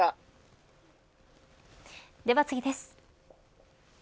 では次です。